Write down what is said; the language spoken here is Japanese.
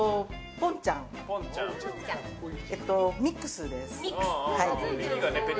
ぽんちゃん、ミックスです。